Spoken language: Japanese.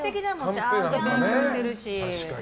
ちゃんとしてるし。